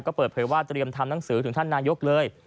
ก็เปิดเผยว่าเตรียมทำหนังสือถึงท่านนายกเลย